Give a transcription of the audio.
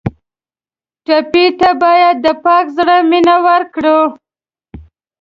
ټپي ته باید د پاک زړه مینه ورکړو.